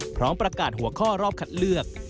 พร้อมประกาศหัวข้อรอบคัดเลือก